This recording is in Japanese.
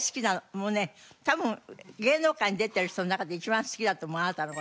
もうね多分芸能界に出てる人の中で一番好きだと思うあなたの事。